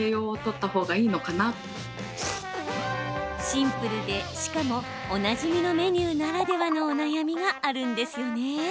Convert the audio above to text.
シンプルで、しかもおなじみのメニューならではのお悩みがあるんですよね。